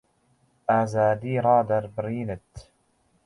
ئازادی ڕادەربڕینت